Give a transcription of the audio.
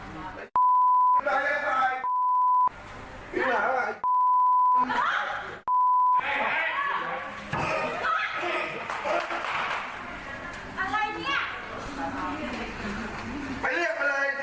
สวัสดีครับสวัสดีครับ